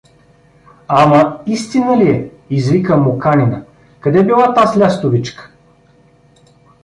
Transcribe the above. — Ама истина ли е? — извика Моканина. — къде била таз лястовичка?